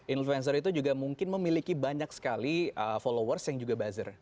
influencer itu juga mungkin memiliki banyak sekali followers yang juga buzzer